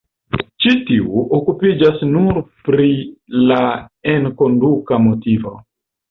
Ĉi tiu okupiĝas nure pri la enkonduka motivo.